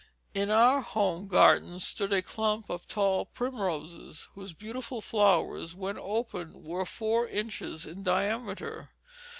In our home garden stood a clump of tall primroses, whose beautiful flowers, when opened, were four inches in diameter.